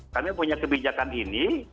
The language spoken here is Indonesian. kami punya kebijakan ini